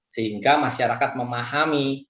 sehingga masyarakat memahami